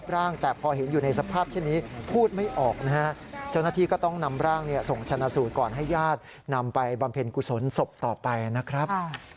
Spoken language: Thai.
ร่างแต่พอเห็นอยู่ในสภาพเช่นนี้พูดไม่ออกนะฮะเจ้าหน้าที่ก็ต้องนำร่างส่งชนะสูตรก่อนให้ญาตินำไปบำเพ็ญกุศลศพต่อไปนะครับ